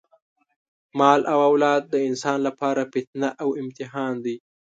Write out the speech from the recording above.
مال او اولاد د انسان لپاره فتنه او امتحان دی.